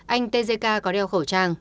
anh tzk có đeo khẩu trang